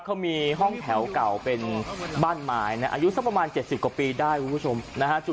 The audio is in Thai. เขามีห้องแถวเก่าเป็นบ้านไม้นะอายุสักประมาณ๗๐กว่าปีได้คุณผู้ชมนะฮะ